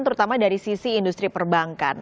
terutama dari sisi industri perbankan